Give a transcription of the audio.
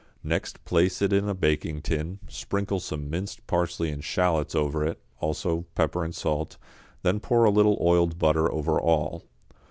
Next place it in a baking tin, sprinkle some minced parsley and shallots over it, also pepper and salt, then pour a little oiled butter over all.